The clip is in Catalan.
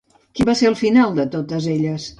Quin va ser el final de totes elles?